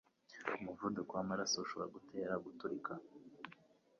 umuvuduko w'amaraso ushobora gutera guturika